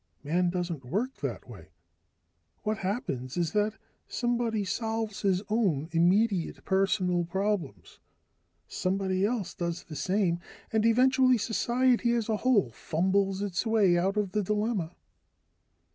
Man doesn't work that way. What happens is that somebody solves his own immediate, personal problems, somebody else does the same, and eventually society as a whole fumbles its way out of the dilemma."